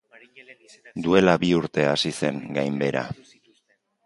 Duela bi urte hasi zen gainbehera.